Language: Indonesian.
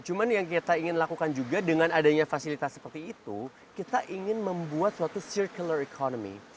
cuma yang kita ingin lakukan juga dengan adanya fasilitas seperti itu kita ingin membuat suatu circular economy